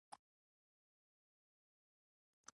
پر ما خو د کېدو وړ ټول کارونه شوي دي.